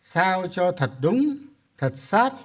sao cho thật đúng thật sát